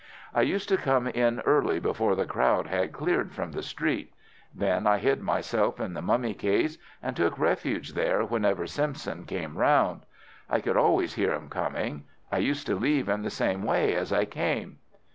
I used to come in early before the crowd had cleared from the street. Then I hid myself in the mummy case, and took refuge there whenever Simpson came round. I could always hear him coming. I used to leave in the same way as I came."